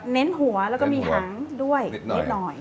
หัวแล้วก็มีหางด้วยนิดหน่อย